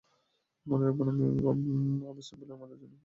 মনে রাখবেন, আবু সিম্বেলে আমাদের জন্য কিন্তু নতুন অতিথিরা অপেক্ষা করছেন!